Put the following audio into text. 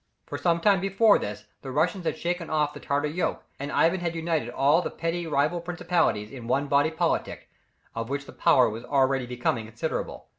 For some time before this, the Russians had shaken off the Tartar yoke, and Ivan had united all the petty rival principalities in one body politic, of which the power was already becoming considerable.